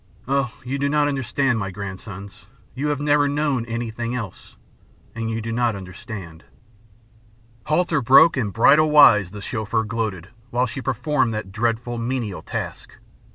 Oh, you do not understand, my grandsons. You have never known anything else, and you do not understand. "'Halter broke and bridle wise,' the Chauffeur gloated, while she performed that dreadful, menial task.